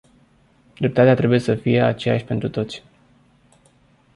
Dreptatea trebuie să fie aceeași pentru toți.